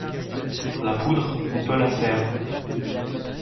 La poudre, on peut la faire !